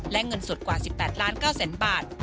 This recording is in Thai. และเงินสดกว่า๑๘๙๐๐๐๐๐บาท